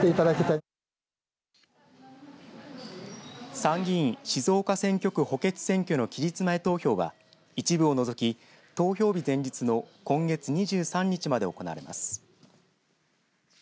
参議院静岡選挙区補欠選挙の期日前投票は一部を除き投票日前日の今月２３日まで行われます。